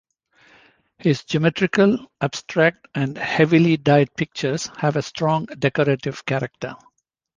His geometrical, abstract, and heavily-dyed pictures have a strong decorative character.